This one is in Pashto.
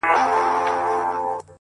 • راځه د اوښکو تويول در زده کړم؛